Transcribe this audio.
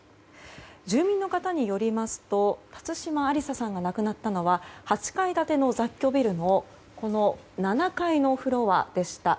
住民の方によりますと辰島ありささんが亡くなったのは８階建ての雑居ビルの７階のフロアでした。